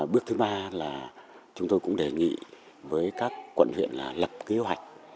bước thứ ba là chúng tôi cũng đề nghị với các quận huyện là lập kế hoạch